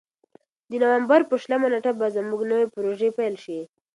د نوامبر په شلمه نېټه به زموږ نوې پروژې پیل شي.